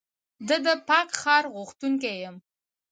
زه د پاک ښار غوښتونکی یم.